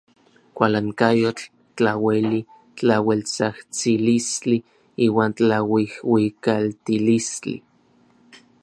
Kualankayotl, tlaueli, tlaueltsajtsilistli iuan tlauijuikaltilistli.